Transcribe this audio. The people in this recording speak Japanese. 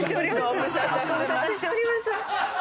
ご無沙汰しております。